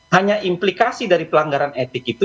hanya implikasi dari pelanggaran etik itu